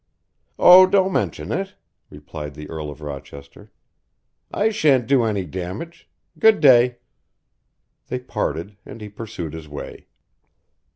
"Oh, don't mention it," replied the Earl of Rochester. "I sha'n't do any damage. Good day." They parted and he pursued his way.